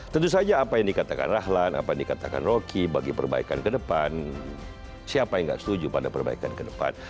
tentu saja apa yang dikatakan rahlan apa yang dikatakan rocky bagi perbaikan ke depan siapa yang nggak setuju pada perbaikan ke depan